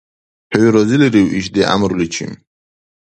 ХӀу разилирив ишди гӀямруличи?